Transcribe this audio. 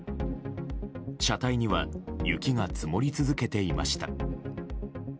車体には雪が積もり続けていました。